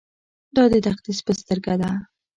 دا د تقدس په سترګه ده.